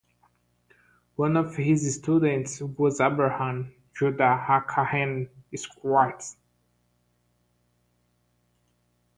One of his students was Abraham Judah ha-Kohen Schwartz.